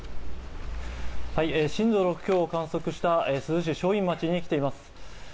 震度６強を観測した珠洲市正院町に来ています。